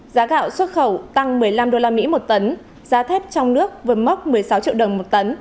giá gạo xuất khẩu tăng một mươi năm usd một tấn giá thép trong nước vượt mốc một mươi sáu triệu đồng một tấn